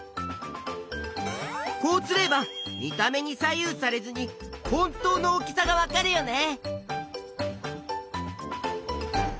こうすれば見た目に左右されずに本当の大きさがわかるよね。